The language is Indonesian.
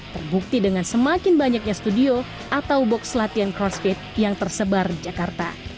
terbukti dengan semakin banyaknya studio atau box latihan crossfit yang tersebar di jakarta